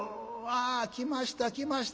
あ来ました来ました。